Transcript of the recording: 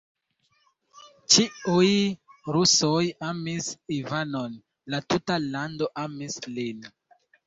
Ĉiuj rusoj amis Ivanon, la tuta lando amis lin.